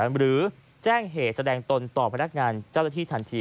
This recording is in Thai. หรือแจ้งเหตุแสดงตนต่อพนักงานเจ้าหน้าที่ทันที